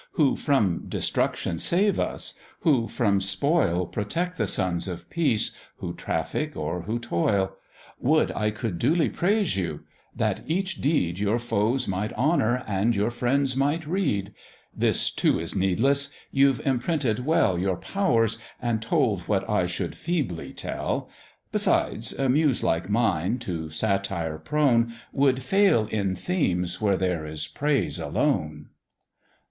Who from destruction save us; who from spoil Protect the sons of peace, who traffic, or who toil; Would I could duly praise you; that each deed Your foes might honour, and your friends might read: This too is needless; you've imprinted well Your powers, and told what I should feebly tell: Beside, a Muse like mine, to satire prone, Would fail in themes where there is praise alone.